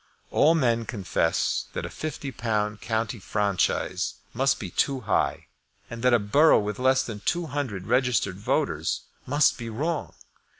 All men confess that a £50 county franchise must be too high, and that a borough with less than two hundred registered voters must be wrong.